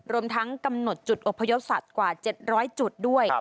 รวมทั้งกำหนดจุดอบพยพสัตว์กว่า๗๐๐จุดด้วย